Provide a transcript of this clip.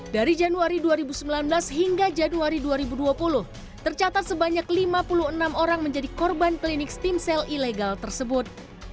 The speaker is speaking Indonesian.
dari januari dua ribu sembilan belas hingga januari dua ribu dua puluh tercatat sebanyak lima puluh enam orang menjadi korban klinik stem cell ilegal tersebut